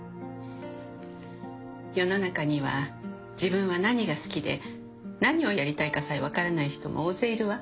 世の中には自分は何が好きで何をやりたいかさえ分からない人も大勢いるわ。